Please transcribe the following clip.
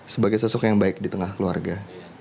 sebagai sosok yang baik di tengah keluarga